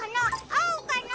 あおかな？